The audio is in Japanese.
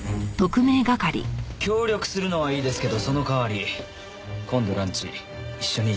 協力するのはいいですけどその代わり今度ランチ一緒に行ってくださいね。